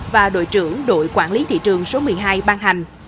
và đội trưởng đội quản lý thị trường số một mươi hai ban hành